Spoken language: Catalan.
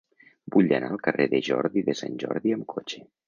Vull anar al carrer de Jordi de Sant Jordi amb cotxe.